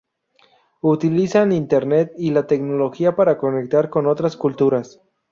Utilizan Internet y la tecnología para conectar con otras culturas.